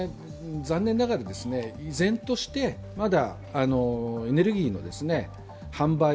残念ながら依然としてまだ、エネルギーの販売